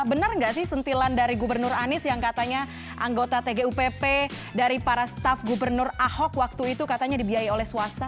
benar nggak sih sentilan dari gubernur anies yang katanya anggota tgupp dari para staf gubernur ahok waktu itu katanya dibiayai oleh swasta